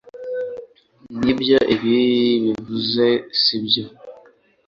Nibyo ibi bivuze sibyo